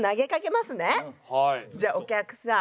じゃあお客さん